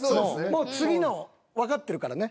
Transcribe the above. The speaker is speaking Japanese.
もう次のわかってるからね。